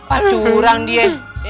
ah curang dia